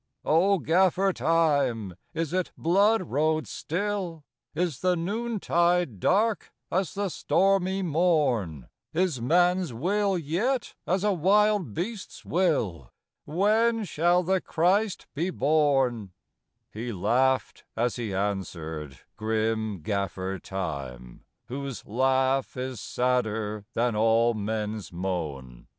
O Gaffer Time, is it blood road still? Is the noontide dark as the stormy morn? Is man s will yet as a wild beast s will? When shall the Christ be born? " He laughed as he answered, grim Gaffer Time, Whose laugh is sadder than all men s moan.